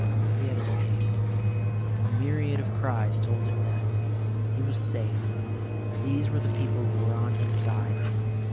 He had escaped. A myriad of cries told him that. He was safe. These were the people who were on his side.